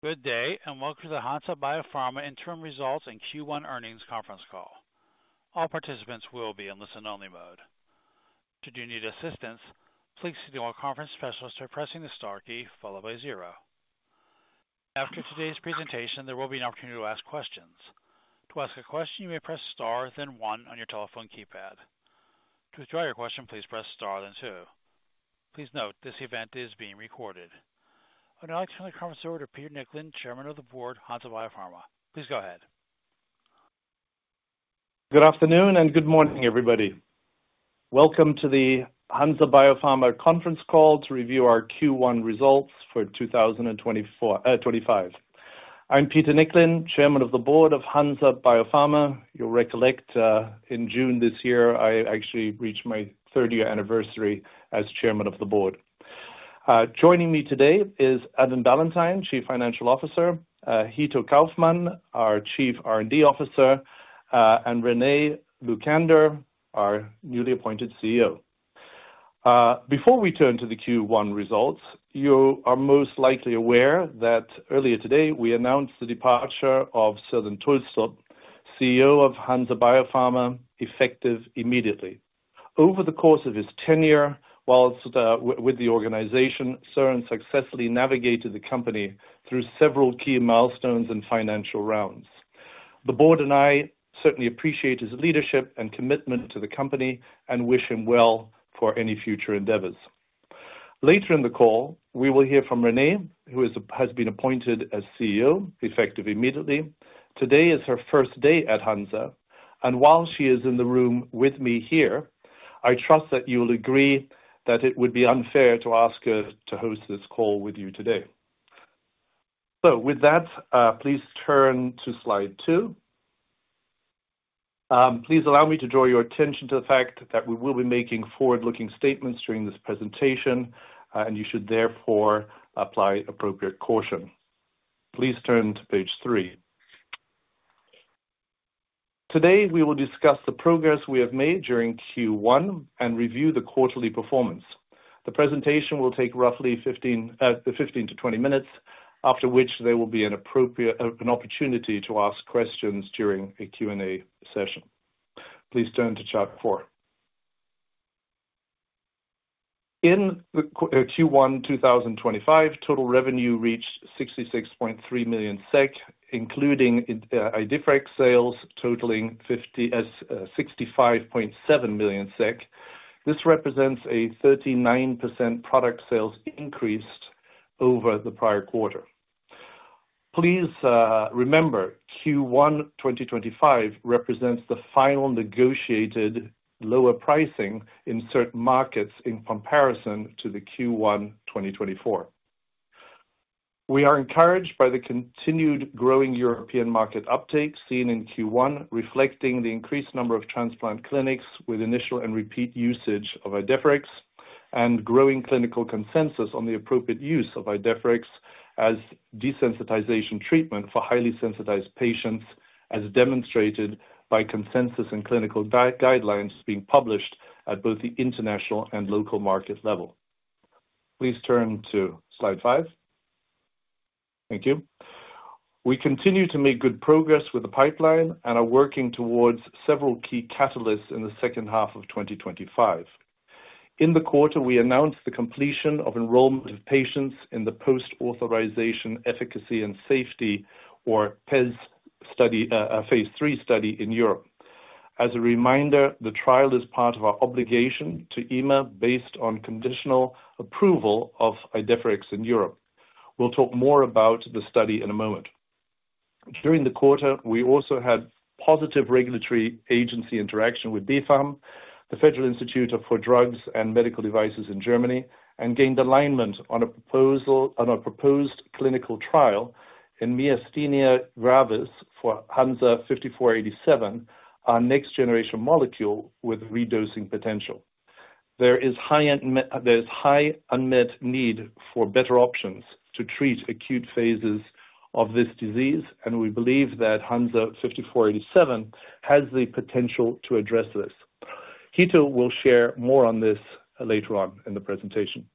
Good day, and welcome to the Hansa Biopharma Interim Results and Q1 Earnings Conference Call. All participants will be in listen-only mode. Should you need assistance, please seek the conference specialist by pressing the star key followed by zero. After today's presentation, there will be an opportunity to ask questions. To ask a question, you may press star then one on your telephone keypad. To withdraw your question, please press star then two. Please note, this event is being recorded. I'd now like to turn the conference over to Peter Nicklin, Chairman of the Board of Hansa Biopharma. Please go ahead. Good afternoon and good morning, everybody. Welcome to the Hansa Biopharma Conference Call to review our Q1 results for 2025. I'm Peter Nicklin, Chairman of the Board of Hansa Biopharma. You'll recollect in June this year, I actually reached my 30th anniversary as Chairman of the Board. Joining me today is Evan Ballantyne, Chief Financial Officer; Hitto Kaufmann, our Chief R&D Officer; and Renée Lucander, our newly appointed CEO. Before we turn to the Q1 results, you are most likely aware that earlier today we announced the departure of Søren Tulstrup, CEO of Hansa Biopharma, effective immediately. Over the course of his tenure with the organization, Søren successfully navigated the company through several key milestones and financial rounds. The Board and I certainly appreciate his leadership and commitment to the company and wish him well for any future endeavors. Later in the call, we will hear from Renée, who has been appointed as CEO, effective immediately. Today is her first day at Hansa, and while she is in the room with me here, I trust that you will agree that it would be unfair to ask her to host this call with you today. With that, please turn to slide two. Please allow me to draw your attention to the fact that we will be making forward-looking statements during this presentation, and you should therefore apply appropriate caution. Please turn to page three. Today, we will discuss the progress we have made during Q1 and review the quarterly performance. The presentation will take roughly 15 to 20 minutes, after which there will be an opportunity to ask questions during a Q&A session. Please turn to chart four. In Q1 2025, total revenue reached 66.3 million SEK, including Idefirix sales totaling 65.7 million SEK. This represents a 39% product sales increase over the prior quarter. Please remember, Q1 2025 represents the final negotiated lower pricing in certain markets in comparison to Q1 2024. We are encouraged by the continued growing European market uptake seen in Q1, reflecting the increased number of transplant clinics with initial and repeat usage of Idefirix and growing clinical consensus on the appropriate use of Idefirix as desensitization treatment for highly sensitized patients, as demonstrated by consensus and clinical guidelines being published at both the international and local market level. Please turn to slide five. Thank you. We continue to make good progress with the pipeline and are working towards several key catalysts in the second half of 2025. In the quarter, we announced the completion of enrollment of patients in the post-authorization efficacy and safety, or PAES study, a Phase 3 study in Europe. As a reminder, the trial is part of our obligation to EMA based on conditional approval of Idefirix in Europe. We'll talk more about the study in a moment. During the quarter, we also had positive regulatory agency interaction with BfArM, the Federal Institute for Drugs and Medical Devices in Germany, and gained alignment on a proposed clinical trial in myasthenia gravis for HNSA-5487, our next generation molecule with redosing potential. There is high unmet need for better options to treat acute phases of this disease, and we believe that HNSA-5487 has the potential to address this. Hitto will share more on this later on in the presentation.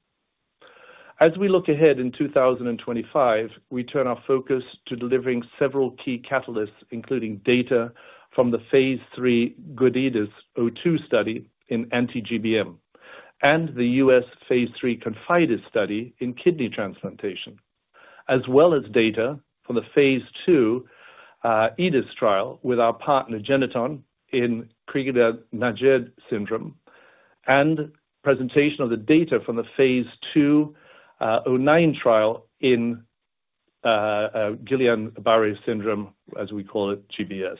As we look ahead in 2025, we turn our focus to delivering several key catalysts, including data from the Phase 3 GOOD-IDAS-02 study in anti-GBM and the U.S. Phase 3 ConfIdeS study in kidney transplantation, as well as data from the Phase 2 IDAS trial with our partner Genethon in Crigler-Najjar syndrome and presentation of the data from the Phase 2 09 trial in Guillain-Barré syndrome, as we call it, GBS.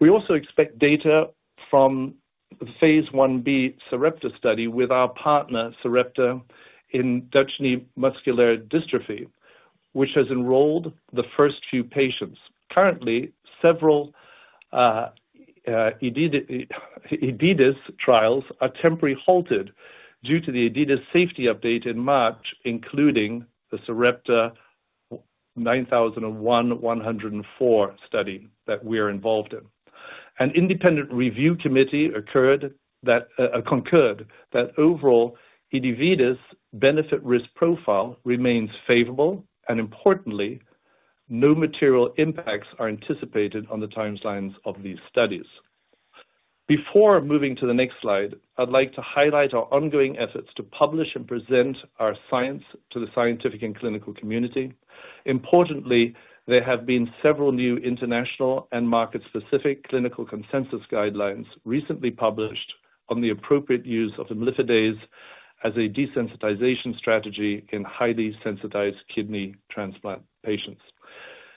We also expect data from the Phase 1b Sarepta study with our partner Sarepta in Duchenne muscular dystrophy, which has enrolled the first few patients. Currently, several Elevidys trials are temporarily halted due to the Elevidys safety update in March, including the Sarepta 9001-104 study that we are involved in. An independent review committee concurred that overall Elevidys benefit risk profile remains favorable, and importantly, no material impacts are anticipated on the timelines of these studies. Before moving to the next slide, I'd like to highlight our ongoing efforts to publish and present our science to the scientific and clinical community. Importantly, there have been several new international and market-specific clinical consensus guidelines recently published on the appropriate use of imlifidase as a desensitization strategy in highly sensitized kidney transplant patients.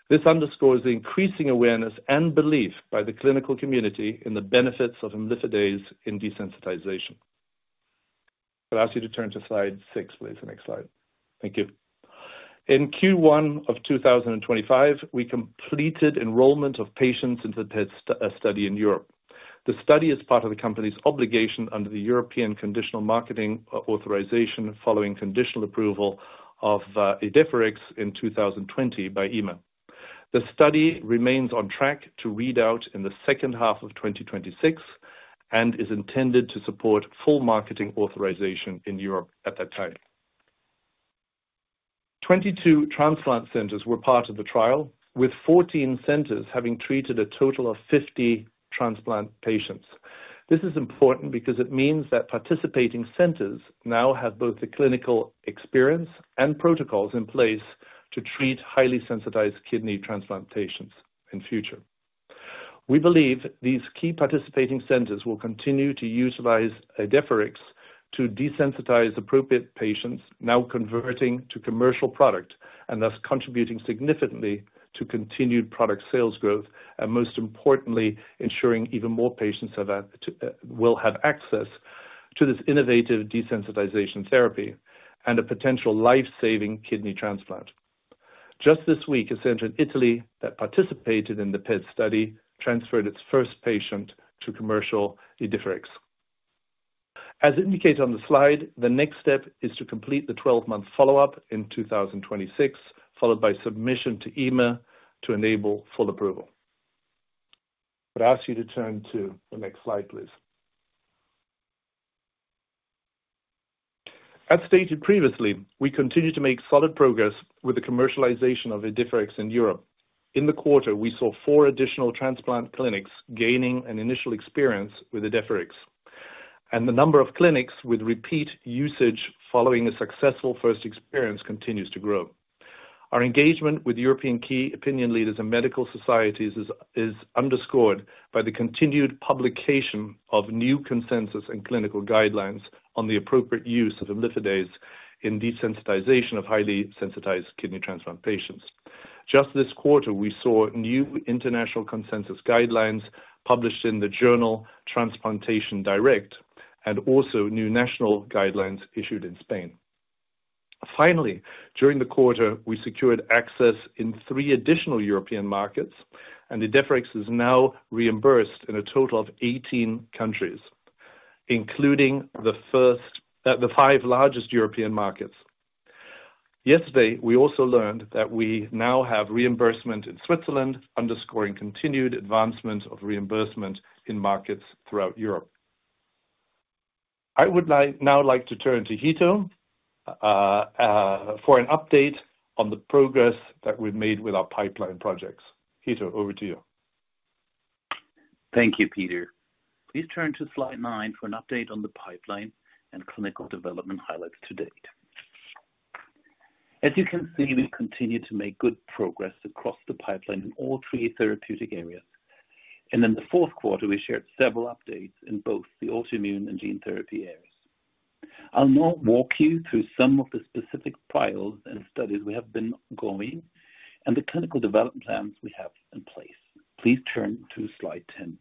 This underscores the increasing awareness and belief by the clinical community in the benefits of imlifidase in desensitization. I'd ask you to turn to slide six, please. Next slide. Thank you. In Q1 of 2025, we completed enrollment of patients into the PAES study in Europe. The study is part of the company's obligation under the European Conditional Marketing Authorization following conditional approval of Idefirix in 2020 by EMA. The study remains on track to read out in the second half of 2026 and is intended to support full marketing authorization in Europe at that time. Twenty-two transplant centers were part of the trial, with 14 centers having treated a total of 50 transplant patients. This is important because it means that participating centers now have both the clinical experience and protocols in place to treat highly sensitized kidney transplant patients in the future. We believe these key participating centers will continue to utilize Idefirix to desensitize appropriate patients, now converting to commercial product and thus contributing significantly to continued product sales growth and, most importantly, ensuring even more patients will have access to this innovative desensitization therapy and a potential lifesaving kidney transplant. Just this week, a center in Italy that participated in the PAES study transferred its first patient to commercial Idefirix. As indicated on the slide, the next step is to complete the 12-month follow-up in 2026, followed by submission to EMA to enable full approval. I'd ask you to turn to the next slide, please. As stated previously, we continue to make solid progress with the commercialization of Idefirix in Europe. In the quarter, we saw four additional transplant clinics gaining an initial experience with Idefirix, and the number of clinics with repeat usage following a successful first experience continues to grow. Our engagement with European key opinion leaders and medical societies is underscored by the continued publication of new consensus and clinical guidelines on the appropriate use of imlifidase in desensitization of highly sensitized kidney transplant patients. Just this quarter, we saw new international consensus guidelines published in the journal Transplantation Direct and also new national guidelines issued in Spain. Finally, during the quarter, we secured access in three additional European markets, and Idefirix is now reimbursed in a total of 18 countries, including the five largest European markets. Yesterday, we also learned that we now have reimbursement in Switzerland, underscoring continued advancement of reimbursement in markets throughout Europe. I would now like to turn to Hitto for an update on the progress that we've made with our pipeline projects. Hitto, over to you. Thank you, Peter. Please turn to slide nine for an update on the pipeline and clinical development highlights to date. As you can see, we continue to make good progress across the pipeline in all three therapeutic areas. In the fourth quarter, we shared several updates in both the autoimmune and gene therapy areas. I'll now walk you through some of the specific trials and studies we have been going and the clinical development plans we have in place. Please turn to slide 10.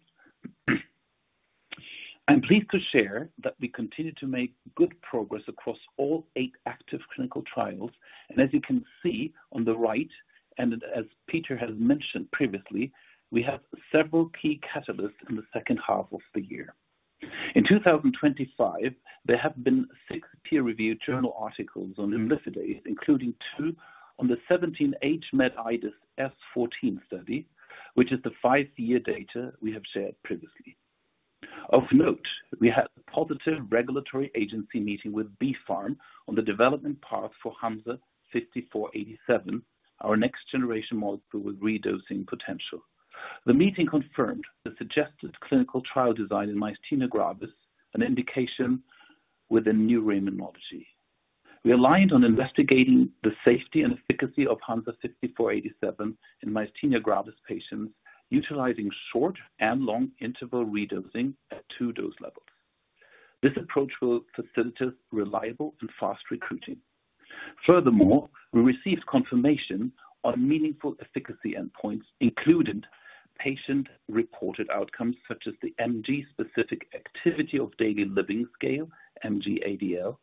I'm pleased to share that we continue to make good progress across all eight active clinical trials. As you can see on the right, and as Peter has mentioned previously, we have several key catalysts in the second half of the year. In 2025, there have been six peer-reviewed journal articles on imlifidase, including two on the 17-HMedIdeS-14 study, which is the five-year data we have shared previously. Of note, we had a positive regulatory agency meeting with BfArM on the development path for HNSA-5487, our next generation molecule with redosing potential. The meeting confirmed the suggested clinical trial design in myasthenia gravis, an indication within neuroimmunology. We aligned on investigating the safety and efficacy of HNSA-5487 in myasthenia gravis patients, utilizing short and long interval redosing at two dose levels. This approach will facilitate reliable and fast recruiting. Furthermore, we received confirmation on meaningful efficacy endpoints, including patient-reported outcomes such as the MG-specific activity of daily living scale, MG-ADL,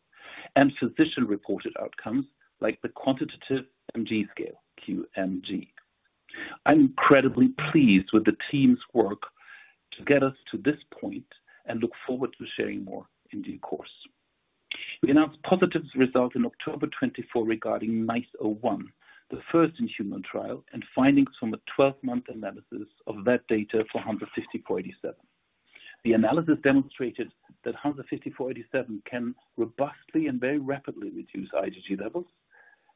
and physician-reported outcomes like the quantitative MG scale, QMG. I'm incredibly pleased with the team's work to get us to this point and look forward to sharing more in due course. We announced positive results in October 2024 regarding NICE 01, the first in-human trial, and findings from a 12-month analysis of that data for HNSA-5487. The analysis demonstrated that HNSA-5487 can robustly and very rapidly reduce IgG levels,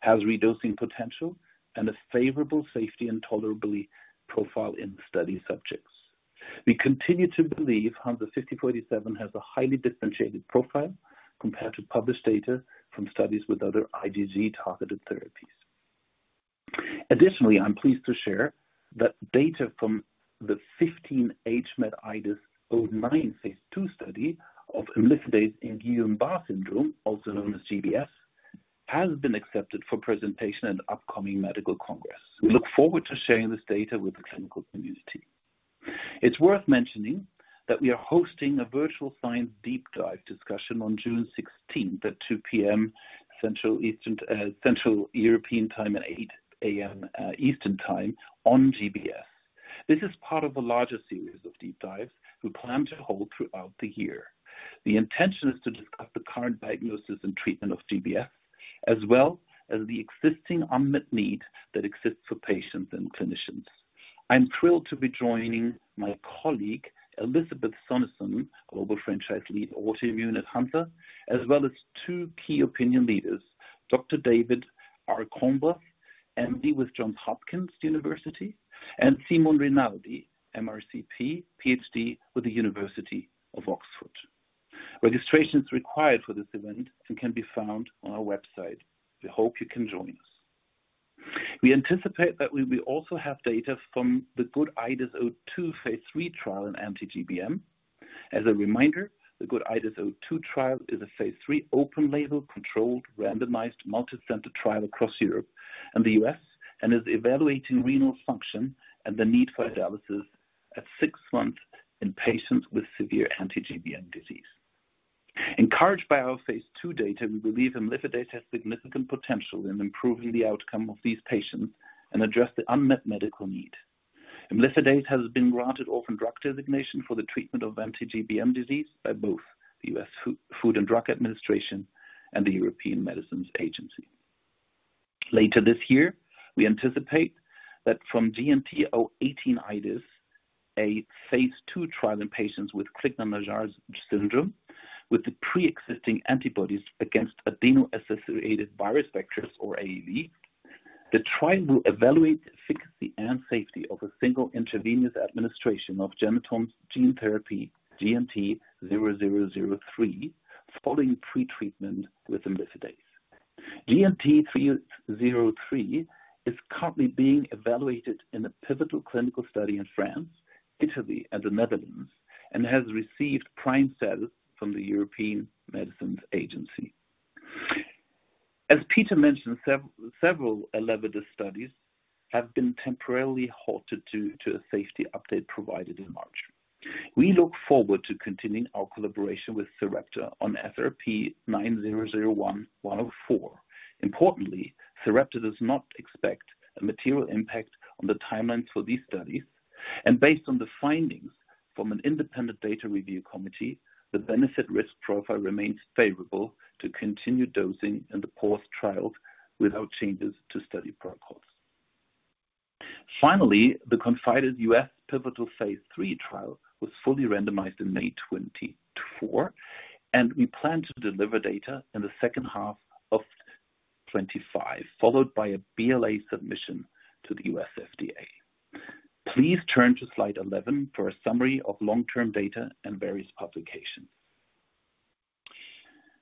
has redosing potential, and a favorable safety and tolerability profile in study subjects. We continue to believe HNSA-5487 has a highly differentiated profile compared to published data from studies with other IgG-targeted therapies. Additionally, I'm pleased to share that data from the 15-HMedIde-09 Phase 2 study of imlifidase in Guillain-Barré syndrome, also known as GBS, has been accepted for presentation at upcoming medical congress. We look forward to sharing this data with the clinical community. It's worth mentioning that we are hosting a virtual science deep dive discussion on June 16th at 2:00 P.M. Central European Time and 8:00 A.M. Eastern Time on GBS. This is part of a larger series of deep dives we plan to hold throughout the year. The intention is to discuss the current diagnosis and treatment of GBS, as well as the existing unmet need that exists for patients and clinicians. I'm thrilled to be joining my colleague, Elisabeth Sonesson, Global Franchise Lead Autoimmune at Hansa, as well as two key opinion leaders, Dr. David Cornblath, MD with Johns Hopkins University, and Simon Rinaldi, MRCP, PhD with the University of Oxford. Registration is required for this event and can be found on our website. We hope you can join us. We anticipate that we will also have data from the GOOD-IDAS-02 Phase 3 trial in anti-GBM. As a reminder, the GOOD-IDAS-02 trial is a Phase 3 open-label controlled randomized multicenter trial across Europe and the U.S. and is evaluating renal function and the need for dialysis at six months in patients with severe anti-GBM disease. Encouraged by our Phase 2 data, we believe imlifidase has significant potential in improving the outcome of these patients and address the unmet medical need. Imlifidase has been granted orphan drug designation for the treatment of anti-GBM disease by both the U.S. Food and Drug Administration and the European Medicines Agency. Later this year, we anticipate that from GNT-018-IDAS, a Phase 2 trial in patients with Crigler-Najjar syndrome with the pre-existing antibodies against adeno-associated virus vectors, or AAV, the trial will evaluate the efficacy and safety of a single intravenous administration of Genethon's gene therapy, GNT 0003, following pretreatment with imlifidase. GNT 0003 is currently being evaluated in a pivotal clinical study in France, Italy, and the Netherlands and has received PRIME status from the European Medicines Agency. As Peter mentioned, several ELEVIDYS studies have been temporarily halted due to a safety update provided in March. We look forward to continuing our collaboration with Sarepta on SRP-9001-104. Importantly, Sarepta does not expect a material impact on the timelines for these studies. Based on the findings from an independent data review committee, the benefit-risk profile remains favorable to continue dosing in the course trials without changes to study protocols. Finally, the ConfIdeS U.S. pivotal Phase 3 trial was fully randomized in May 2024, and we plan to deliver data in the second half of 2025, followed by a BLA submission to the U.S. FDA. Please turn to slide 11 for a summary of long-term data and various publications.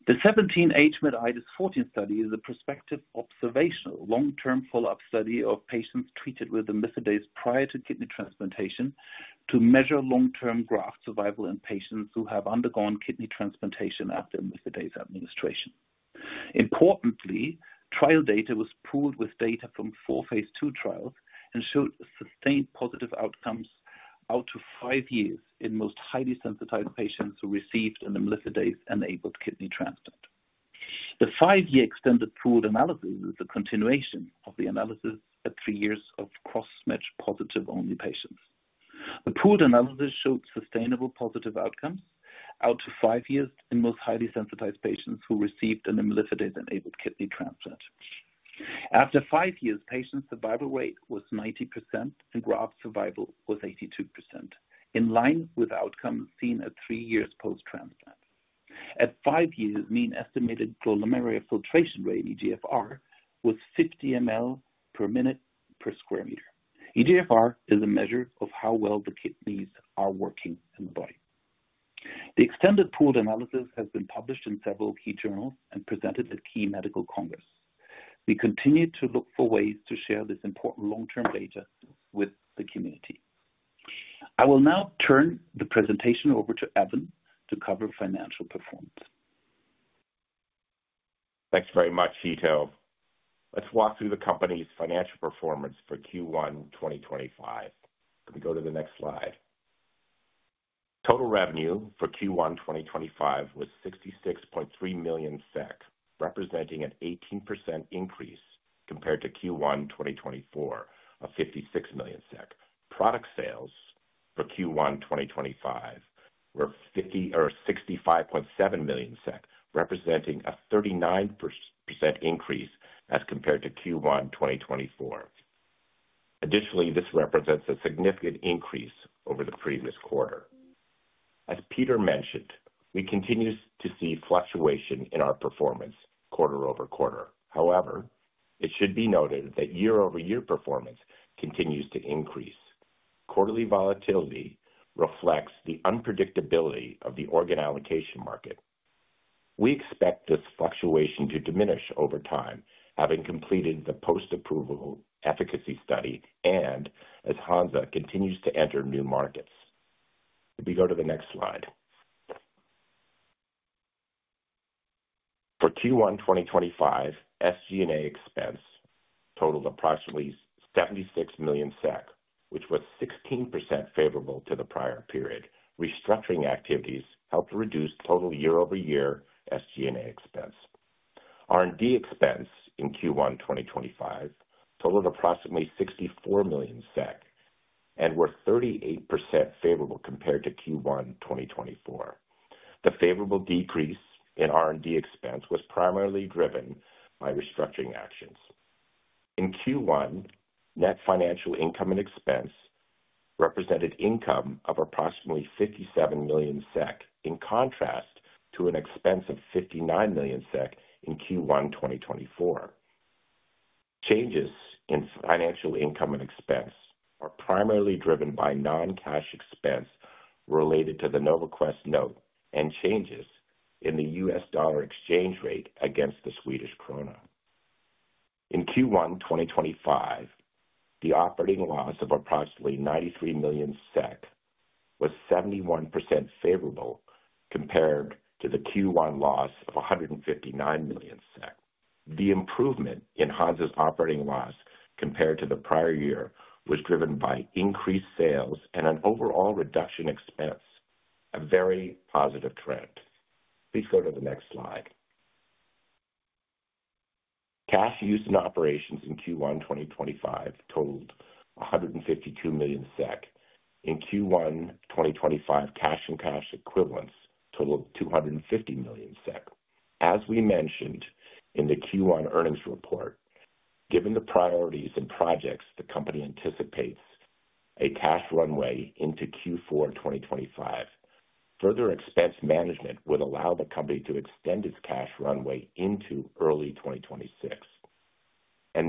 The 17-HMedIdaS-14 study is a prospective observational long-term follow-up study of patients treated with imlifidase prior to kidney transplantation to measure long-term graft survival in patients who have undergone kidney transplantation after imlifidase administration. Importantly, trial data was pooled with data from four Phase 2 trials and showed sustained positive outcomes out to five years in most highly sensitized patients who received an imlifidase-enabled kidney transplant. The five-year extended pooled analysis is the continuation of the analysis at three years of cross-match positive-only patients. The pooled analysis showed sustainable positive outcomes out to five years in most highly sensitized patients who received an imlifidase-enabled kidney transplant. After five years, patient survival rate was 90% and graft survival was 82%, in line with outcomes seen at three years post-transplant. At five years, mean estimated glomerular filtration rate, eGFR, was 50 mL per minute per square meter. eGFR is a measure of how well the kidneys are working in the body. The extended pooled analysis has been published in several key journals and presented at key medical congresses. We continue to look for ways to share this important long-term data with the community. I will now turn the presentation over to Evan to cover financial performance. Thanks very much, Hitto. Let's walk through the company's financial performance for Q1 2025. Can we go to the next slide? Total revenue for Q1 2025 was 66.3 million SEK, representing an 18% increase compared to Q1 2024 of 56 million SEK. Product sales for Q1 2025 were 65.7 million SEK, representing a 39% increase as compared to Q1 2024. Additionally, this represents a significant increase over the previous quarter. As Peter mentioned, we continue to see fluctuation in our performance quarter over quarter. However, it should be noted that year-over-year performance continues to increase. Quarterly volatility reflects the unpredictability of the organ allocation market. We expect this fluctuation to diminish over time, having completed the post-approval efficacy study and as Hansa continues to enter new markets. If we go to the next slide. For Q1 2025, SG&A expense totaled approximately 76 million SEK, which was 16% favorable to the prior period. Restructuring activities helped reduce total year-over-year SG&A expense. R&D expense in Q1 2025 totaled approximately 64 million SEK and were 38% favorable compared to Q1 2024. The favorable decrease in R&D expense was primarily driven by restructuring actions. In Q1, net financial income and expense represented income of approximately 57 million SEK, in contrast to an expense of 59 million SEK in Q1 2024. Changes in financial income and expense are primarily driven by non-cash expense related to the NovaQuest note and changes in the U.S. dollar exchange rate against the Swedish krona. In Q1 2025, the operating loss of approximately 93 million SEK was 71% favorable compared to the Q1 loss of 159 million SEK. The improvement in Hansa's operating loss compared to the prior year was driven by increased sales and an overall reduction in expense, a very positive trend. Please go to the next slide. Cash use and operations in Q1 2025 totaled 152 million SEK. In Q1 2025, cash and cash equivalents totaled 250 million SEK. As we mentioned in the Q1 earnings report, given the priorities and projects the company anticipates, a cash runway into Q4 2025. Further expense management would allow the company to extend its cash runway into early 2026.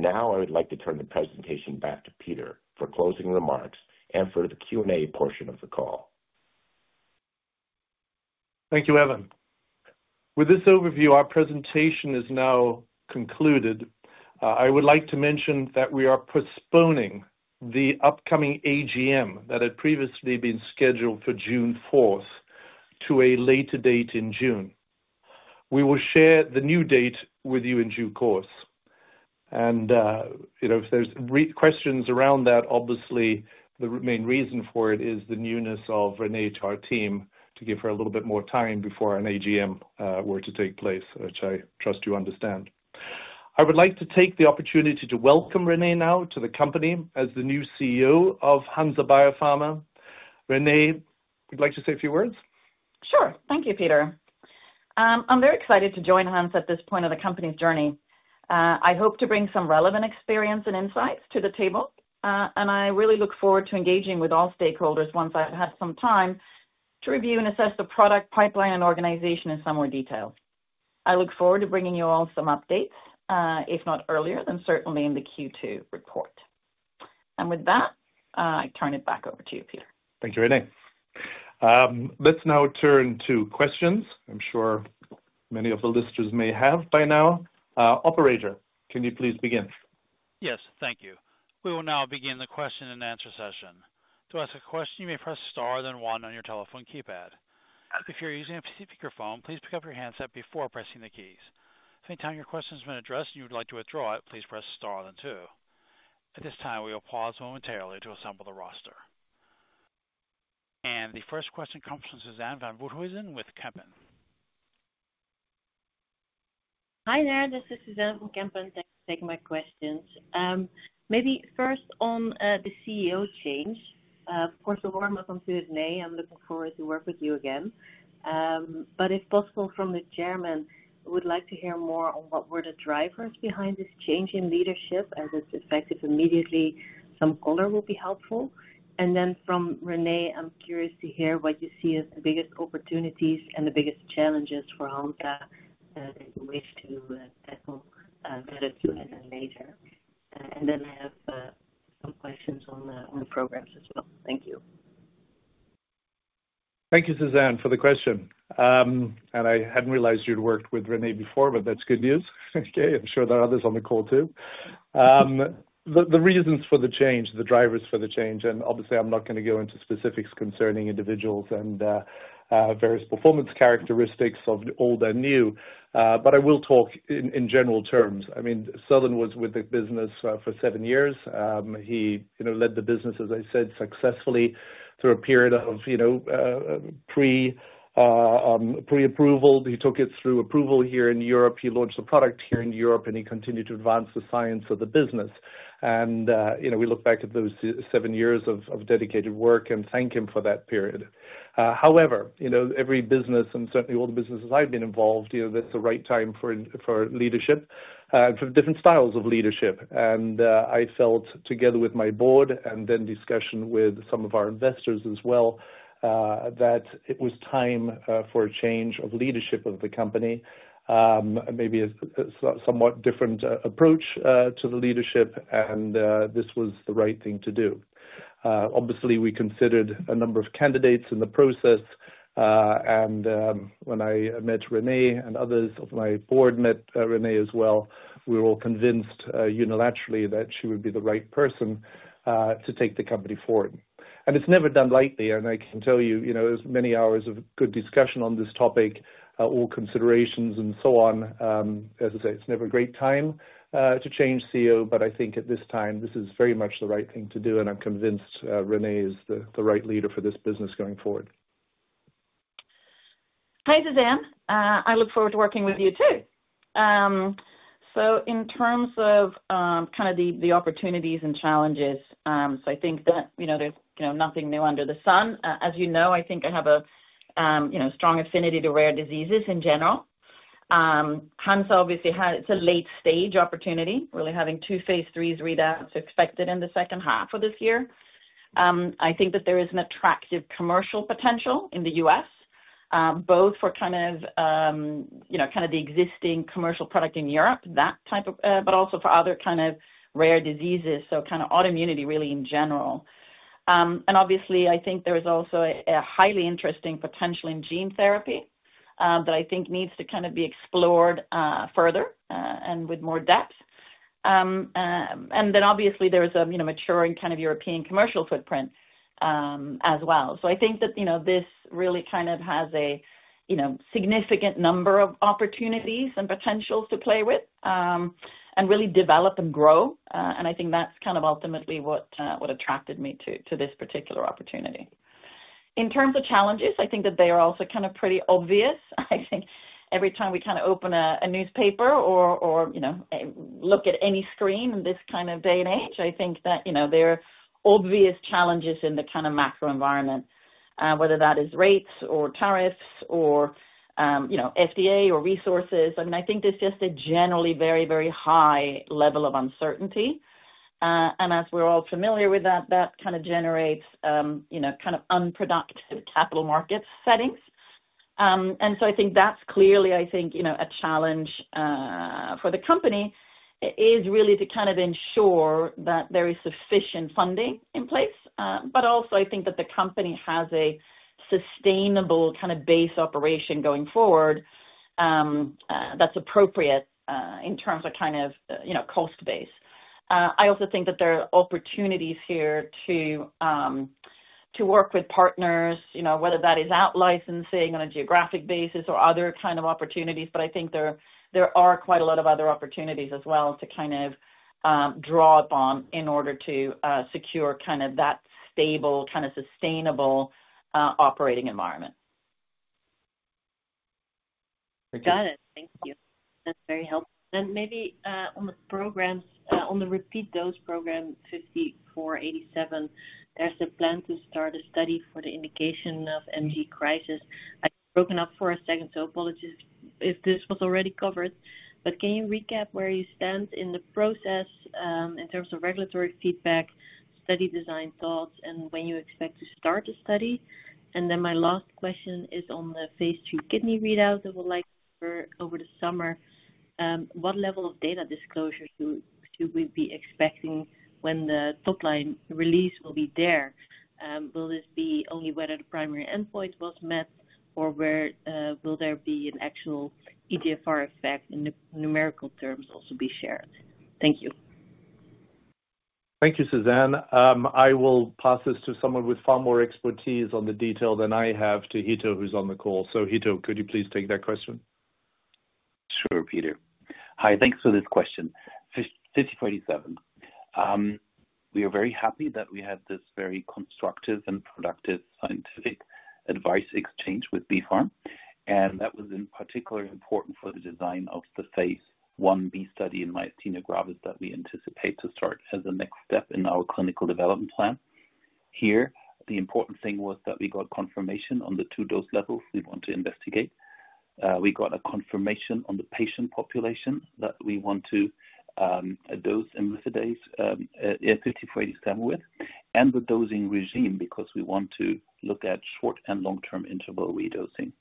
I would like to turn the presentation back to Peter for closing remarks and for the Q&A portion of the call. Thank you, Evan. With this overview, our presentation is now concluded. I would like to mention that we are postponing the upcoming AGM that had previously been scheduled for June 4th to a later date in June. We will share the new date with you in due course. If there are questions around that, obviously the main reason for it is the newness of Renée to our team, to give her a little bit more time before an AGM were to take place, which I trust you understand. I would like to take the opportunity to welcome Renée now to the company as the new CEO of Hansa Biopharma. Renée, would you like to say a few words? Sure. Thank you, Peter. I'm very excited to join Hansa at this point of the company's journey. I hope to bring some relevant experience and insights to the table, and I really look forward to engaging with all stakeholders once I've had some time to review and assess the product pipeline and organization in some more detail. I look forward to bringing you all some updates, if not earlier, then certainly in the Q2 report. With that, I turn it back over to you, Peter. Thank you, Renée. Let's now turn to questions. I'm sure many of the listeners may have by now. Operator, can you please begin? Yes, thank you. We will now begin the question and answer session. To ask a question, you may press star then one on your telephone keypad. If you're using a speakerphone, please pick up your handset before pressing the keys. If at any time your question has been addressed and you would like to withdraw it, please press star then two. At this time, we will pause momentarily to assemble the roster. The first question comes from Suzanne van Voothuizen with Kempen. Hi there. This is Suzanne from Kempen. Thanks for taking my questions. Maybe first on the CEO change. Of course, a warm welcome to you, Renée. I'm looking forward to working with you again. If possible, from the Chairman, I would like to hear more on what were the drivers behind this change in leadership as it's effective immediately. Some color will be helpful. From Renée, I'm curious to hear what you see as the biggest opportunities and the biggest challenges for Hansa that you wish to tackle better sooner than later. I have some questions on programs as well. Thank you. Thank you, Suzanne, for the question. I hadn't realized you'd worked with Renée before, but that's good news. I am sure there are others on the call too. The reasons for the change, the drivers for the change, and obviously I am not going to go into specifics concerning individuals and various performance characteristics of old and new, but I will talk in general terms. I mean, Søren was with the business for seven years. He led the business, as I said, successfully through a period of pre-approval. He took it through approval here in Europe. He launched the product here in Europe, and he continued to advance the science of the business. We look back at those seven years of dedicated work and thank him for that period. However, every business, and certainly all the businesses I've been involved, that's the right time for leadership, for different styles of leadership. I felt, together with my board and then discussion with some of our investors as well, that it was time for a change of leadership of the company, maybe a somewhat different approach to the leadership, and this was the right thing to do. Obviously, we considered a number of candidates in the process. When I met Renée and others of my board met Renée as well, we were all convinced unilaterally that she would be the right person to take the company forward. It's never done lightly, and I can tell you there's many hours of good discussion on this topic, all considerations and so on. As I say, it's never a great time to change CEO, but I think at this time, this is very much the right thing to do, and I'm convinced Renée is the right leader for this business going forward. Hi, Suzanne. I look forward to working with you too. In terms of the opportunities and challenges, I think that there's nothing new under the sun. As you know, I think I have a strong affinity to rare diseases in general. Hansa obviously had, it's a late-stage opportunity, really having two Phase 3 readouts expected in the second half of this year. I think that there is an attractive commercial potential in the U.S., both for the existing commercial product in Europe, that type, but also for other rare diseases, so autoimmunity really in general. Obviously, I think there is also a highly interesting potential in gene therapy that I think needs to be explored further and with more depth. Obviously, there is a maturing European commercial footprint as well. I think that this really kind of has a significant number of opportunities and potentials to play with and really develop and grow. I think that's kind of ultimately what attracted me to this particular opportunity. In terms of challenges, I think that they are also kind of pretty obvious. I think every time we kind of open a newspaper or look at any screen in this kind of day and age, I think that there are obvious challenges in the kind of macro environment, whether that is rates or tariffs or FDA or resources. I mean, I think there's just a generally very, very high level of uncertainty. As we're all familiar with that, that kind of generates kind of unproductive capital markets settings. I think that's clearly, I think, a challenge for the company is really to kind of ensure that there is sufficient funding in place, but also I think that the company has a sustainable kind of base operation going forward that's appropriate in terms of kind of cost base. I also think that there are opportunities here to work with partners, whether that is out licensing on a geographic basis or other kind of opportunities, but I think there are quite a lot of other opportunities as well to kind of draw upon in order to secure kind of that stable, kind of sustainable operating environment. Got it. Thank you. That's very helpful. Maybe on the programs, on the repeat dose program, 5487, there's a plan to start a study for the indication of MD crisis. I broke up for a second, so apologies if this was already covered, but can you recap where you stand in the process in terms of regulatory feedback, study design thoughts, and when you expect to start the study? My last question is on the Phase 2 kidney readouts that we'll like over the summer. What level of data disclosure should we be expecting when the top line release will be there? Will this be only whether the primary endpoint was met, or will there be an actual eGFR effect in numerical terms also be shared? Thank you. Thank you, Suzanne. I will pass this to someone with far more expertise on the detail than I have to Hitto, who's on the call. Hitto, could you please take that question? Sure, Peter. Hi, thanks for this question. 5487. We are very happy that we had this very constructive and productive scientific advice exchange with BfArM, and that was in particular important for the design of the Phase 1b study in myasthenia gravis that we anticipate to start as a next step in our clinical development plan here. The important thing was that we got confirmation on the two dose levels we want to investigate. We got a confirmation on the patient population that we want to dose 5487 with and the dosing regime because we want to look at short and long-term interval redosing.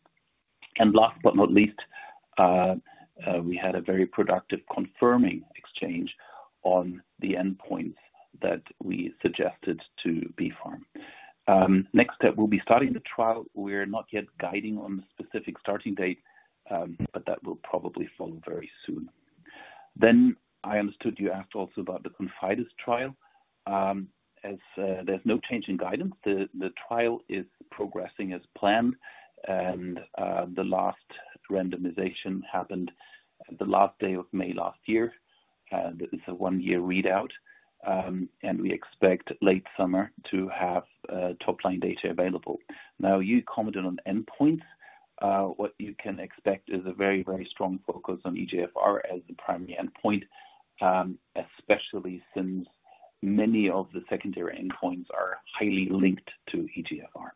Last but not least, we had a very productive confirming exchange on the endpoints that we suggested to BfArM. Next step, we'll be starting the trial. We're not yet guiding on the specific starting date, but that will probably follow very soon. I understood you asked also about the ConfIdeS trial. There's no change in guidance. The trial is progressing as planned, and the last randomization happened the last day of May last year. It's a one-year readout, and we expect late summer to have top line data available. Now, you commented on endpoints. What you can expect is a very, very strong focus on eGFR as the primary endpoint, especially since many of the secondary endpoints are highly linked to eGFR.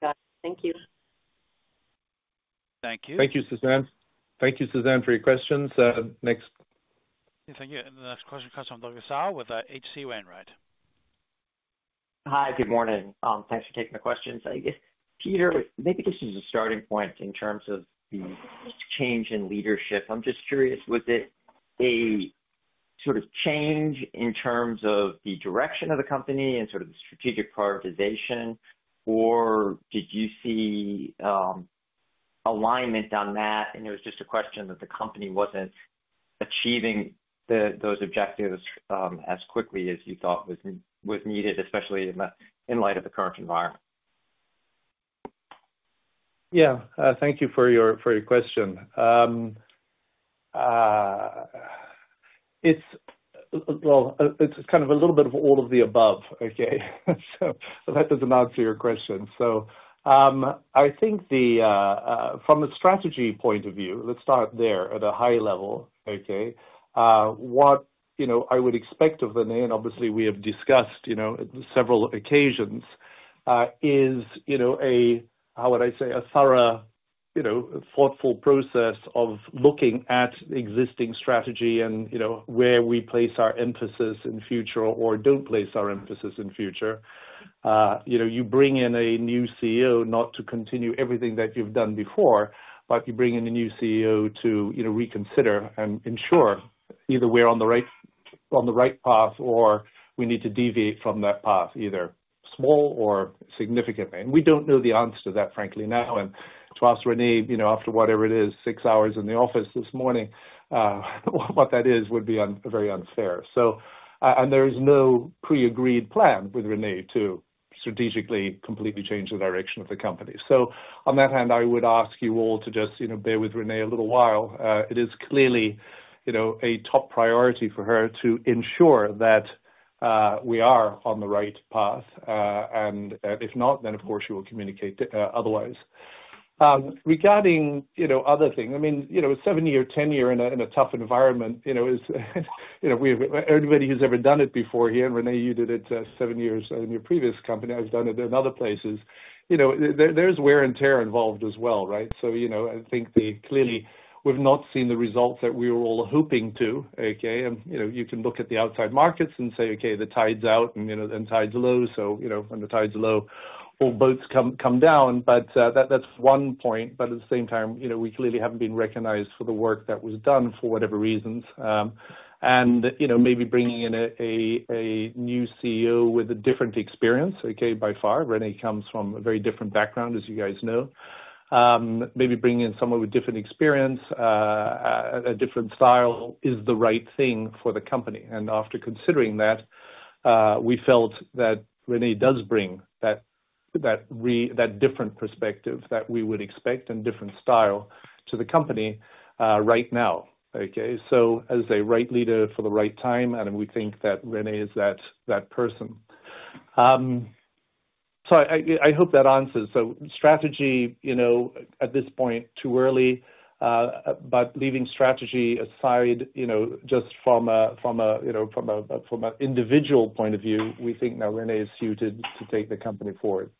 Got it. Thank you. Thank you. Thank you, Susanne. Thank you, Susanne, for your questions. Next. Thank you. The next question comes from Douglas Tsao with H.C. Wainwright. Hi, good morning. Thanks for taking the questions. Peter, maybe this is a starting point in terms of the change in leadership. I'm just curious, was it a sort of change in terms of the direction of the company and sort of the strategic prioritization, or did you see alignment on that? It was just a question that the company wasn't achieving those objectives as quickly as you thought was needed, especially in light of the current environment. Thank you for your question. It's kind of a little bit of all of the above, okay? That does not answer your question. I think from a strategy point of view, let's start there at a high level, okay? What I would expect of Renée, and obviously we have discussed on several occasions, is, how would I say, a thorough, thoughtful process of looking at existing strategy and where we place our emphasis in future or do not place our emphasis in future. You bring in a new CEO not to continue everything that you have done before, but you bring in a new CEO to reconsider and ensure either we are on the right path or we need to deviate from that path, either small or significantly. We do not know the answer to that, frankly, now. To ask Renée after whatever it is, six hours in the office this morning, what that is would be very unfair. There is no pre-agreed plan with Renée to strategically completely change the direction of the company. On that hand, I would ask you all to just bear with Renée a little while. It is clearly a top priority for her to ensure that we are on the right path. If not, then of course she will communicate otherwise. Regarding other things, I mean, seven-year, ten-year in a tough environment, everybody who's ever done it before here, and Renée, you did it seven years in your previous company. I've done it in other places. There's wear and tear involved as well, right? I think clearly we've not seen the results that we were all hoping to, okay? You can look at the outside markets and say, okay, the tide's out and tide's low. When the tide's low, all boats come down. That's one point. At the same time, we clearly haven't been recognized for the work that was done for whatever reasons. Maybe bringing in a new CEO with a different experience, okay, by far. Renée comes from a very different background, as you guys know. Maybe bringing in someone with different experience, a different style is the right thing for the company. After considering that, we felt that Renée does bring that different perspective that we would expect and different style to the company right now, okay? As a right leader for the right time, we think that Renée is that person. I hope that answers. Strategy at this point, too early, but leaving strategy aside just from an individual point of view, we think now Renée is suited to take the company forward.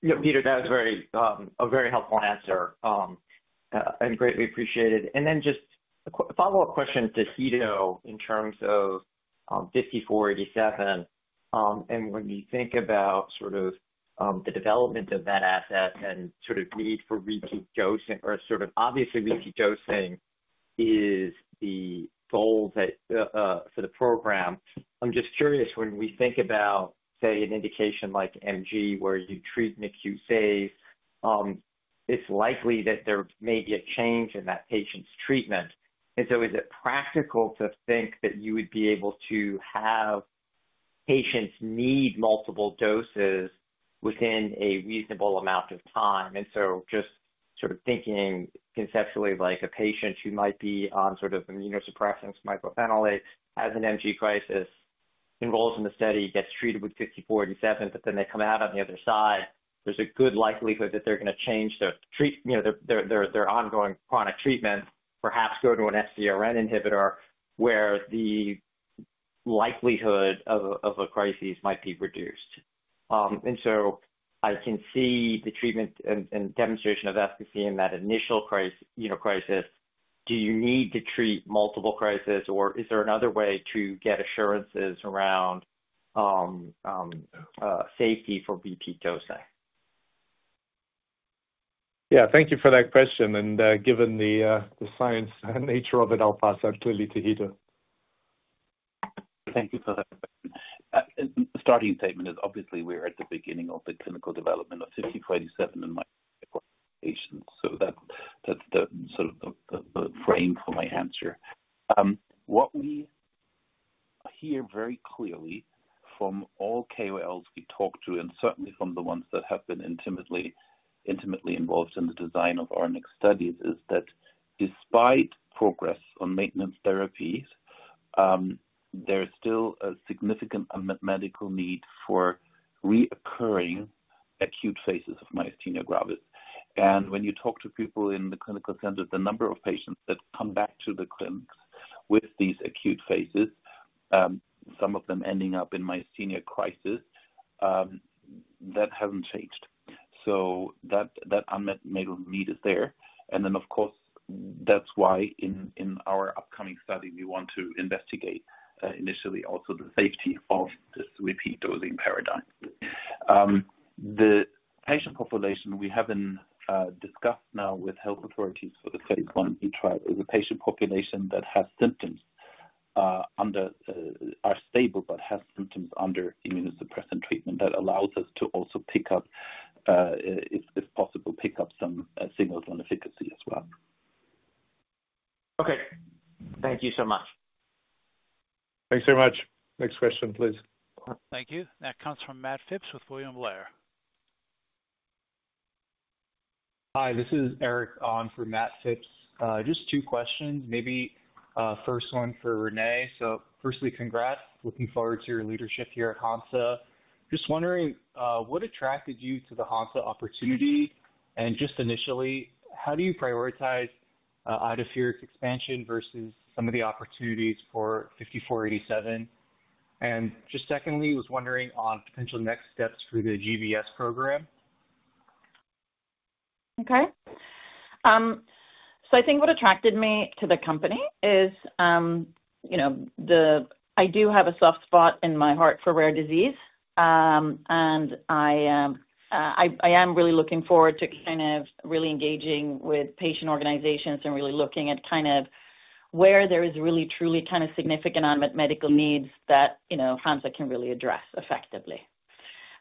Yeah, Peter, that was a very helpful answer. Greatly appreciated. Just a follow-up question to Hitto in terms of 5487. When you think about sort of the development of that asset and sort of need for repeat dosing, or sort of obviously repeat dosing is the goal for the program, I'm just curious when we think about, say, an indication like MG where you treat, like you say, it's likely that there may be a change in that patient's treatment. Is it practical to think that you would be able to have patients need multiple doses within a reasonable amount of time? Just sort of thinking conceptually, like a patient who might be on sort of immunosuppressants, microphenolate, has an MG crisis, enrolls in the study, gets treated with 5487, but then they come out on the other side, there's a good likelihood that they're going to change their ongoing chronic treatment, perhaps go to an FcRn inhibitor where the likelihood of a crisis might be reduced. I can see the treatment and demonstration of efficacy in that initial crisis. Do you need to treat multiple crises, or is there another way to get assurances around safety for repeat dosing? Yeah, thank you for that question. Given the science nature of it, I'll pass that clearly to Hitto. Thank you for that. Starting statement is obviously we're at the beginning of the clinical development of 5487 and microphenolate patients. That is sort of the frame for my answer. What we hear very clearly from all KOLs we talk to, and certainly from the ones that have been intimately involved in the design of our next studies, is that despite progress on maintenance therapies, there is still a significant unmet medical need for reoccurring acute phases of myasthenia gravis. When you talk to people in the clinical center, the number of patients that come back to the clinics with these acute phases, some of them ending up in myasthenia crisis, that has not changed. That unmet medical need is there. Of course, that is why in our upcoming study, we want to investigate initially also the safety of this repeat dosing paradigm. The patient population we haven't discussed now with health authorities for the Phase 1b trial is a patient population that has symptoms under, are stable, but has symptoms under immunosuppressant treatment that allows us to also pick up, if possible, pick up some signals on efficacy as well. Okay. Thank you so much. Thanks very much. Next question, please. Thank you. That comes from Matt Phipps with William Blair. Hi, this is Eric on for Matt Phipps. Just two questions. Maybe first one for Renée. Firstly, congrats. Looking forward to your leadership here at Hansa. Just wondering, what attracted you to the Hansa opportunity? Just initially, how do you prioritize Idefirix expansion versus some of the opportunities for 5487? Just secondly, I was wondering on potential next steps for the GBS program. Okay. I think what attracted me to the company is I do have a soft spot in my heart for rare disease. I am really looking forward to kind of really engaging with patient organizations and really looking at kind of where there is really, truly kind of significant unmet medical needs that Hansa can really address effectively.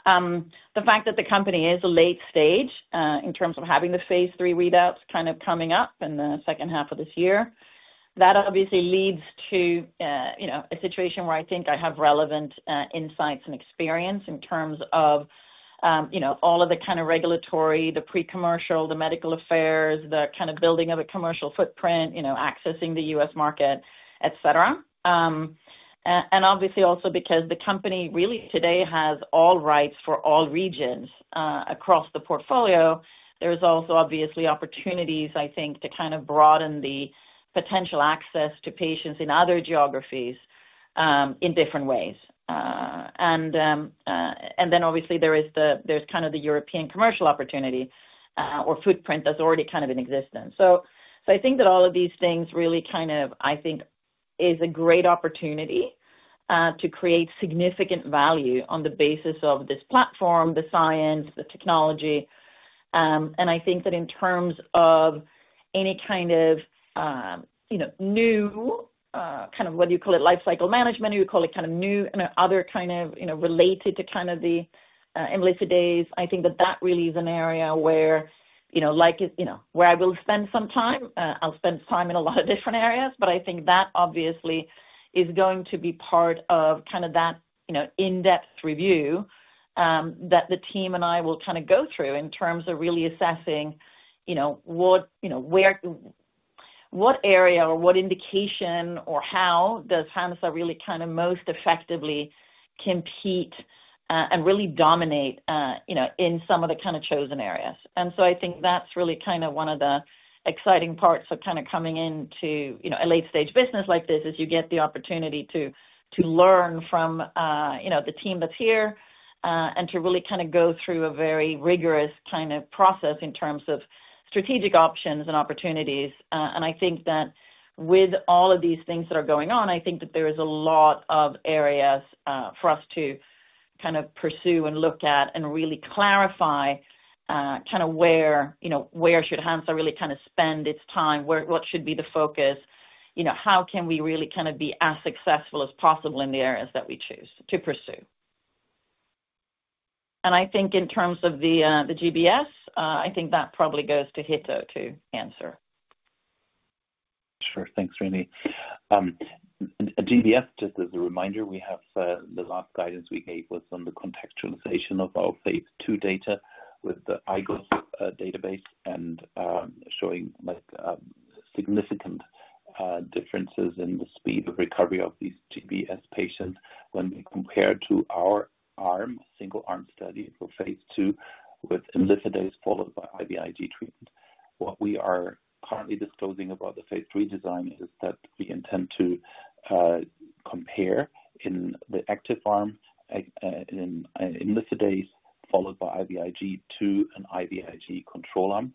The fact that the company is a late stage in terms of having the Phase 3 readouts kind of coming up in the second half of this year, that obviously leads to a situation where I think I have relevant insights and experience in terms of all of the kind of regulatory, the pre-commercial, the medical affairs, the kind of building of a commercial footprint, accessing the U.S. market, etc. Obviously also because the company really today has all rights for all regions across the portfolio, there is also obviously opportunities, I think, to kind of broaden the potential access to patients in other geographies in different ways. There is kind of the European commercial opportunity or footprint that is already kind of in existence. I think that all of these things really kind of, I think, is a great opportunity to create significant value on the basis of this platform, the science, the technology. I think that in terms of any kind of new kind of whether you call it lifecycle management, or you call it kind of new and other kind of related to kind of the MLC days, I think that that really is an area where I will spend some time. I'll spend time in a lot of different areas, but I think that obviously is going to be part of that in-depth review that the team and I will go through in terms of really assessing what area or what indication or how does Hansa really most effectively compete and really dominate in some of the chosen areas. I think that's really kind of one of the exciting parts of kind of coming into a late-stage business like this. You get the opportunity to learn from the team that's here and to really kind of go through a very rigorous kind of process in terms of strategic options and opportunities. I think that with all of these things that are going on, I think that there is a lot of areas for us to kind of pursue and look at and really clarify kind of where should Hansa really kind of spend its time, what should be the focus, how can we really kind of be as successful as possible in the areas that we choose to pursue. I think in terms of the GBS, I think that probably goes to Hitto to answer. Sure. Thanks, Renée. GBS, just as a reminder, we have the last guidance we gave was on the contextualization of our Phase 2 data with the IGOS database and showing significant differences in the speed of recovery of these GBS patients when compared to our arm, single arm study for Phase 2 with imlifidase followed by IVIG treatment. What we are currently disclosing about the Phase 3 design is that we intend to compare in the active arm, imlifidase followed by IVIG to an IVIG control arm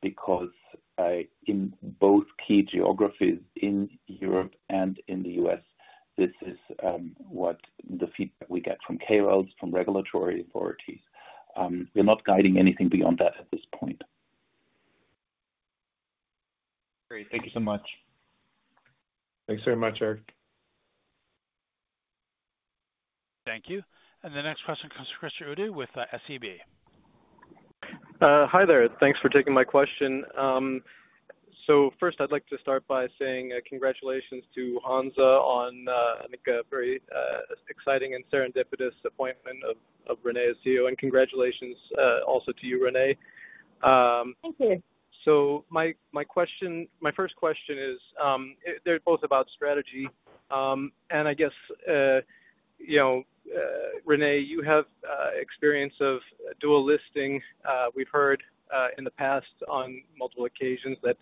because in both key geographies in Europe and in the U.S., this is what the feedback we get from KOLs, from regulatory authorities. We're not guiding anything beyond that at this point. Great. Thank you so much. Thanks very much, Eric. Thank you. The next question comes to Chris Uhde with SEB. Hi there. Thanks for taking my question. First, I'd like to start by saying congratulations to Hansa on a very exciting and serendipitous appointment of Renée as CEO. Congratulations also to you, Renée. Thank you. My first question is they're both about strategy. I guess, Renée, you have experience of dual listing. We've heard in the past on multiple occasions that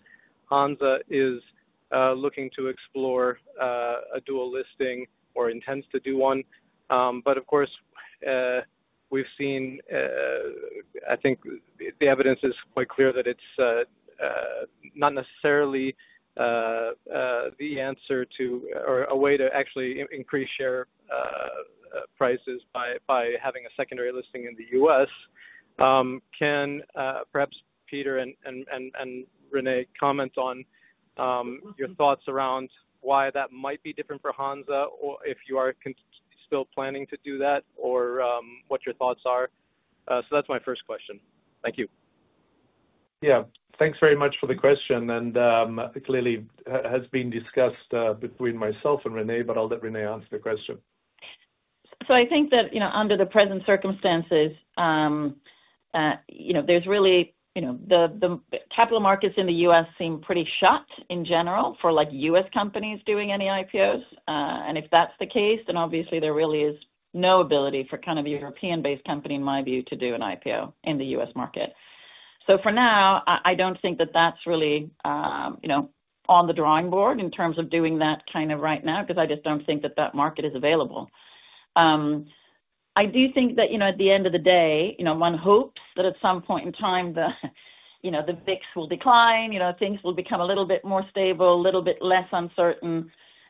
Hansa is looking to explore a dual listing or intends to do one. Of course, we've seen, I think the evidence is quite clear that it's not necessarily the answer to or a way to actually increase share prices by having a secondary listing in the U.S. Can perhaps Peter and Renée comment on your thoughts around why that might be different for Hansa or if you are still planning to do that or what your thoughts are? That's my first question. Thank you. Yeah. Thanks very much for the question. Clearly has been discussed between myself and Renée, but I'll let Renée answer the question. I think that under the present circumstances, the capital markets in the U.S. seem pretty shut in general for U.S. companies doing any IPOs. If that's the case, then obviously there really is no ability for kind of a European-based company, in my view, to do an IPO in the U.S. market. For now, I don't think that that's really on the drawing board in terms of doing that kind of right now because I just don't think that that market is available. I do think that at the end of the day, one hopes that at some point in time, the VIX will decline, things will become a little bit more stable, a little bit less uncertain.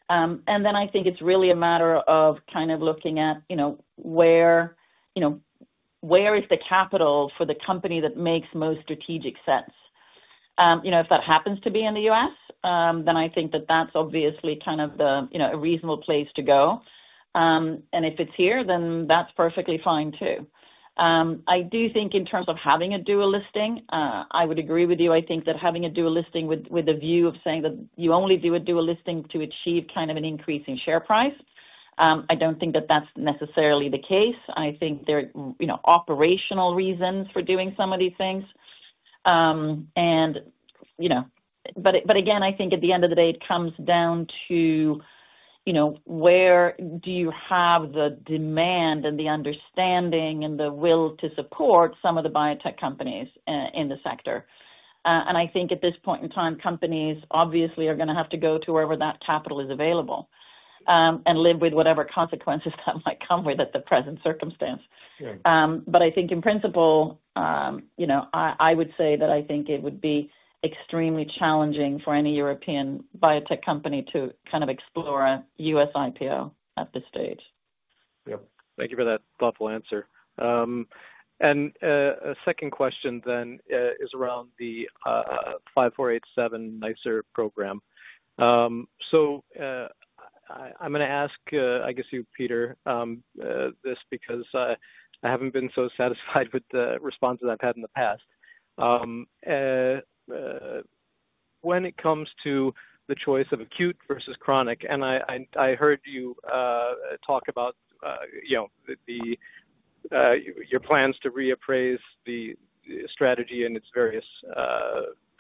I think it's really a matter of kind of looking at where is the capital for the company that makes most strategic sense. If that happens to be in the U.S., then I think that that's obviously kind of a reasonable place to go. If it's here, then that's perfectly fine too. I do think in terms of having a dual listing, I would agree with you. I think that having a dual listing with a view of saying that you only do a dual listing to achieve kind of an increase in share price, I don't think that that's necessarily the case. I think there are operational reasons for doing some of these things. Again, I think at the end of the day, it comes down to where do you have the demand and the understanding and the will to support some of the biotech companies in the sector. I think at this point in time, companies obviously are going to have to go to wherever that capital is available and live with whatever consequences that might come with at the present circumstance. I think in principle, I would say that I think it would be extremely challenging for any European biotech company to kind of explore a U.S. IPO at this stage. Thank you for that thoughtful answer. A second question then is around the 5487 NICER program. I'm going to ask, I guess, you, Peter, this because I haven't been so satisfied with the responses I've had in the past. When it comes to the choice of acute versus chronic, I heard you talk about your plans to reappraise the strategy in its various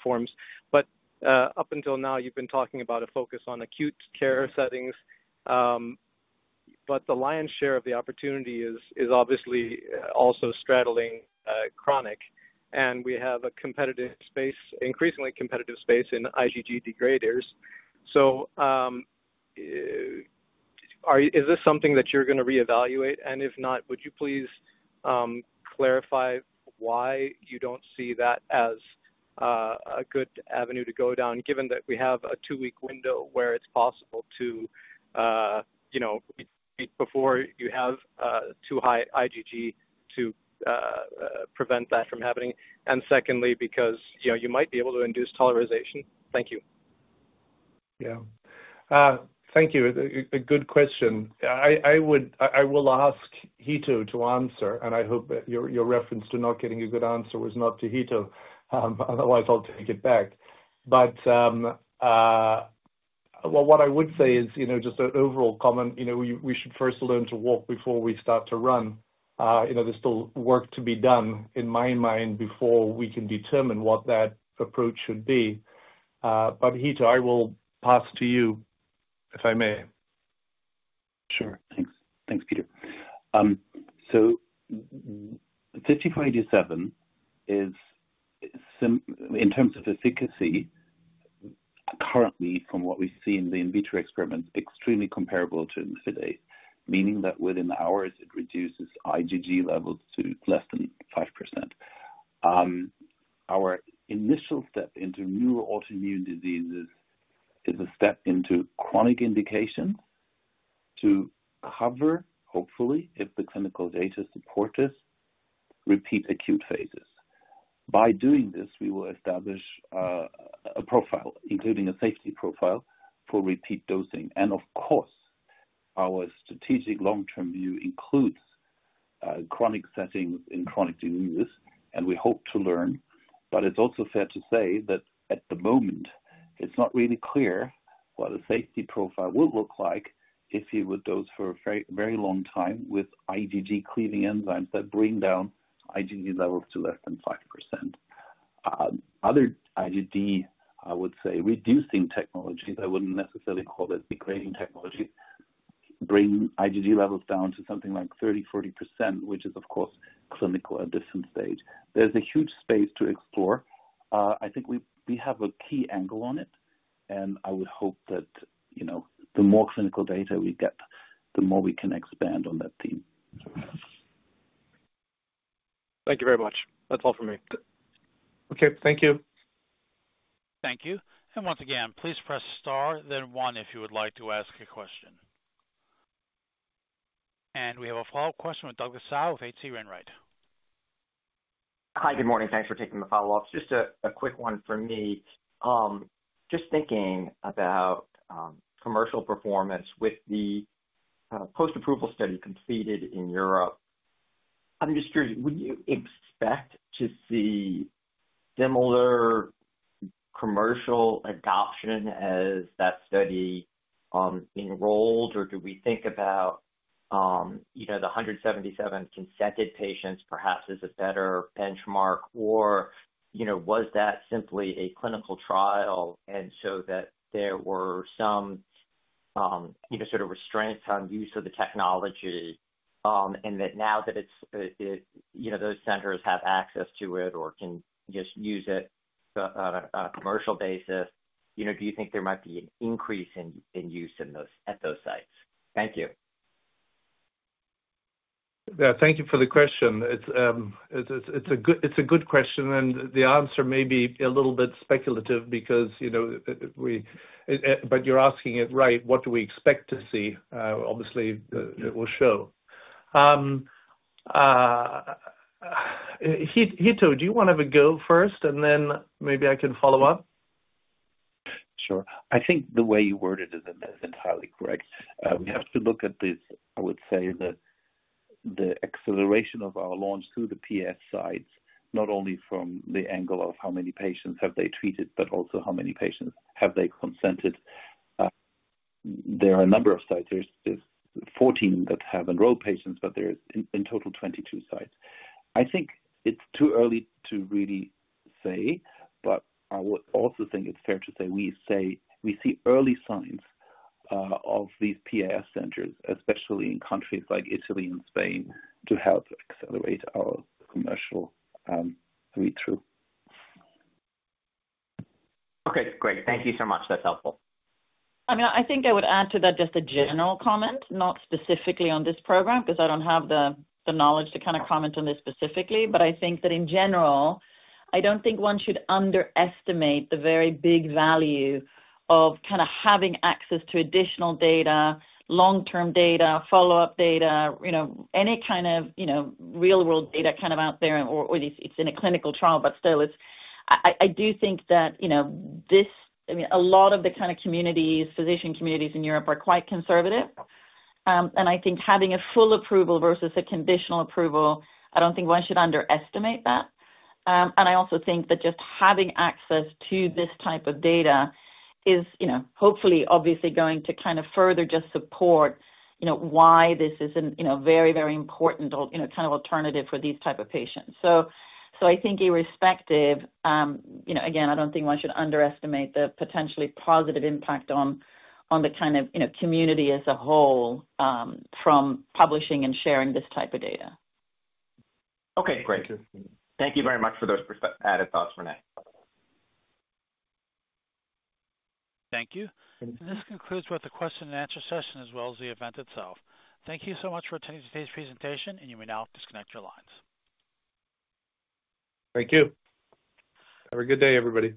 forms, but up until now, you've been talking about a focus on acute care settings. The lion's share of the opportunity is obviously also straddling chronic. We have a competitive space, increasingly competitive space in IgG degraders. Is this something that you're going to reevaluate? If not, would you please clarify why you do not see that as a good avenue to go down, given that we have a two-week window where it is possible to repeat before you have too high IgG to prevent that from happening? Secondly, because you might be able to induce tolerization. Thank you. Yeah. Thank you. A good question. I will ask Hitto to answer. I hope that your reference to not getting a good answer was not to Hitto. Otherwise, I will take it back. What I would say is just an overall comment, we should first learn to walk before we start to run. There is still work to be done in my mind before we can determine what that approach should be. Hitto, I will pass to you if I may. Sure. Thanks. Thanks, Peter. 5487 is, in terms of efficacy, currently, from what we see in the in vitro experiments, extremely comparable to imlifidase, meaning that within hours, it reduces IgG levels to less than 5%. Our initial step into new autoimmune diseases is a step into chronic indications to cover, hopefully, if the clinical data supports this, repeat acute phases. By doing this, we will establish a profile, including a safety profile for repeat dosing. Of course, our strategic long-term view includes chronic settings in chronic diseases, and we hope to learn. It is also fair to say that at the moment, it is not really clear what a safety profile will look like if you would dose for a very long time with IgG cleaving enzymes that bring down IgG levels to less than 5%. Other IgG, I would say, reducing technologies, I would not necessarily call it degrading technologies, bring IgG levels down to something like 30%-40%, which is, of course, clinical at this stage. There is a huge space to explore. I think we have a key angle on it. I would hope that the more clinical data we get, the more we can expand on that theme. Thank you very much. That's all from me. Okay. Thank you. Thank you. Once again, please press star, then one if you would like to ask a question. We have a follow-up question with Douglas Tsao with H.C. Wainwright. Hi, good morning. Thanks for taking the follow-up. Just a quick one for me. Just thinking about commercial performance with the post-approval study completed in Europe, I'm just curious, would you expect to see similar commercial adoption as that study enrolled, or do we think about the 177 consented patients perhaps as a better benchmark, or was that simply a clinical trial and so that there were some sort of restraints on use of the technology and that now that those centers have access to it or can just use it on a commercial basis, do you think there might be an increase in use at those sites? Thank you. Thank you for the question. It's a good question. The answer may be a little bit speculative because we—but you're asking it right, what do we expect to see? Obviously, it will show. Hitto, do you want to have a go first, and then maybe I can follow up? Sure. I think the way you worded it is entirely correct. We have to look at this, I would say, the acceleration of our launch through the PAS sites, not only from the angle of how many patients have they treated, but also how many patients have they consented. There are a number of sites. There are 14 that have enrolled patients, but there are in total 22 sites. I think it is too early to really say, but I would also think it is fair to say we see early signs of these PAS centers, especially in countries like Italy and Spain, to help accelerate our commercial read-through. Okay. Great. Thank you so much. That's helpful. I mean, I think I would add to that just a general comment, not specifically on this program because I don't have the knowledge to kind of comment on this specifically. I think that in general, I don't think one should underestimate the very big value of kind of having access to additional data, long-term data, follow-up data, any kind of real-world data kind of out there, or it's in a clinical trial, but still, I do think that this, I mean, a lot of the kind of communities, physician communities in Europe are quite conservative. I think having a full approval versus a conditional approval, I don't think one should underestimate that. I also think that just having access to this type of data is hopefully, obviously, going to kind of further just support why this is a very, very important kind of alternative for these type of patients. I think irrespective, again, I don't think one should underestimate the potentially positive impact on the kind of community as a whole from publishing and sharing this type of data. Okay. Great. Thank you very much for those added thoughts, Renée. Thank you. This concludes both the question and answer session as well as the event itself. Thank you so much for attending today's presentation, and you may now disconnect your lines. Thank you. Have a good day, everybody.